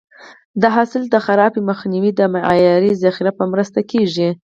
د حاصل د خرابي مخنیوی د معیاري ذخیرې په مرسته کېږي.